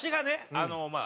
あのまあ